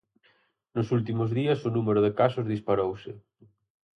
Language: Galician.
Nos últimos días o número de casos disparouse.